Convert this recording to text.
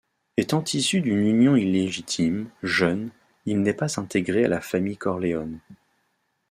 Étant issu d'une union illégitime, jeune, il n'est pas intégré à la famille Corleone.